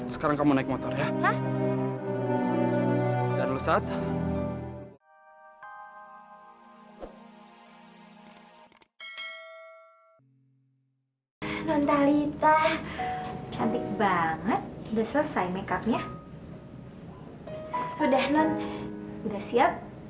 sampai jumpa di video selanjutnya